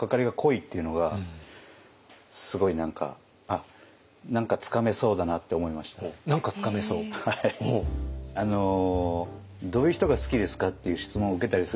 「どういう人が好きですか？」っていう質問を受けたりするじゃないですか。